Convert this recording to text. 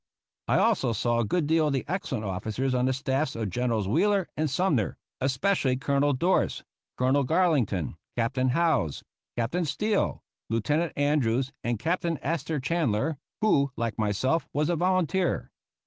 I also saw a good deal of the excellent officers on the staffs of Generals Wheeler and Sumner, especially Colonel Dorst, Colonel Garlington, Captain Howze, Captain Steele, Lieutenant Andrews, and Captain Astor Chanler, who, like myself, was a volunteer.